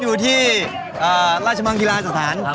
อยู่ที่ราชมังกีฬาสถาน